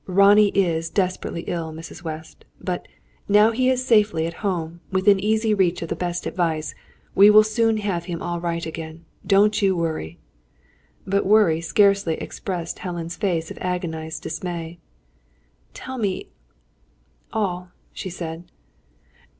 "Ronnie is desperately ill, Mrs. West. But, now he is safely at home, within easy reach of the best advice, we will soon have him all right again. Don't you worry." But "worry" scarcely expressed Helen's face of agonised dismay. "Tell me all," she said.